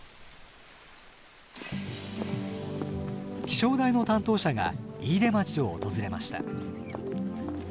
気象台の担当者が飯豊町を訪れました。